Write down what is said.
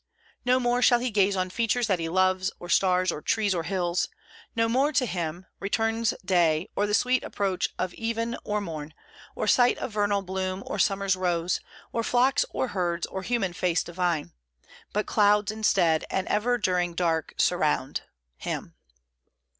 No more shall he gaze on features that he loves, or stars, or trees, or hills. No more to him "Returns Day, or the sweet approach of even or morn, Or sight of vernal bloom, or summer's rose, Or flocks, or herds, or human face divine; But clouds, instead, and ever during dark Surround" [him].